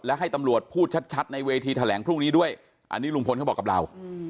และให้ตำรวจพูดชัดในเวทีแถลงพรุ่งนี้ด้วยอันนี้ลุงพลเขาบอกกับเรา